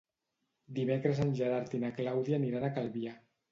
Dimecres en Gerard i na Clàudia aniran a Calvià.